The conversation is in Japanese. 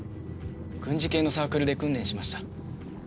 軍事系のサークルで訓練しました。